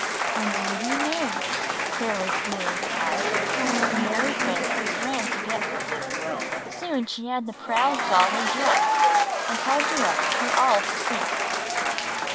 ''Indeed you may!" Fairly Flew rephed, and Mary Frances ran to get her. Soon she had the proud dolly dressed, and held her up for all to see.